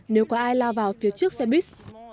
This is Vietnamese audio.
nếu có ai lao vào từ trước xe buýt